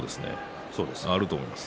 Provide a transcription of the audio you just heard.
あると思います。